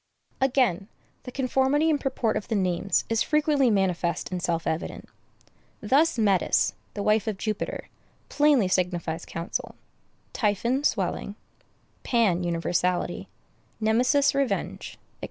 Again, the conformity and purport of the names is frequently manifest and self evident. Thus Metis, the wife of Jupiter, plainly signifies counsel; Typhon, swelling; Pan, universality; Nemesis, revenge, &c.